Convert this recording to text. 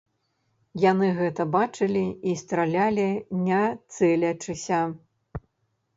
Яны гэта бачылі і стралялі не цэлячыся.